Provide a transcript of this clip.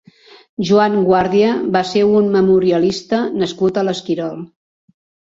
Joan Guàrdia va ser un memorialista nascut a l'Esquirol.